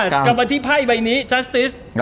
กลับมาที่ไพ่ใบนี้จัสติส